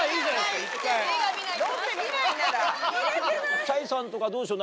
ｃｈａｙさんとかどうでしょう？